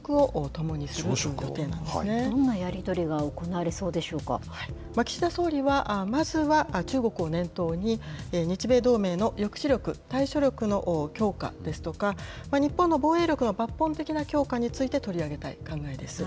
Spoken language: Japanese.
どんなやり取りが行われそう岸田総理はまずは、中国を念頭に日米同盟の抑止力、対処力の強化ですとか、日本の防衛力の抜本的な強化について、取り上げたい考えです。